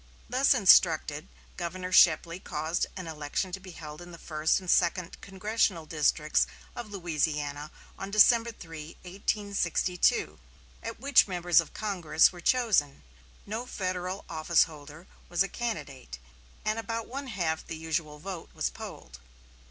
Thus instructed, Governor Shepley caused an election to be held in the first and second congressional districts of Louisiana on December 3, 1862, at which members of Congress were chosen. No Federal office holder was a candidate, and about one half the usual vote was polled.